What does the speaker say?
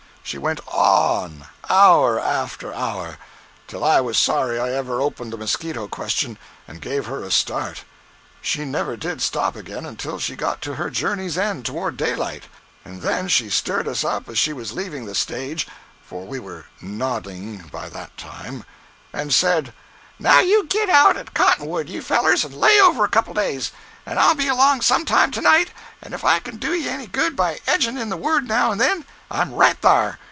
She went on, hour after hour, till I was sorry I ever opened the mosquito question and gave her a start. She never did stop again until she got to her journey's end toward daylight; and then she stirred us up as she was leaving the stage (for we were nodding, by that time), and said: "Now you git out at Cottonwood, you fellers, and lay over a couple o' days, and I'll be along some time to night, and if I can do ye any good by edgin' in a word now and then, I'm right thar.